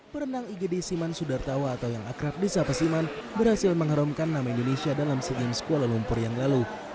perenang igd siman sudartawa atau yang akrab di sapa siman berhasil mengharumkan nama indonesia dalam sea games kuala lumpur yang lalu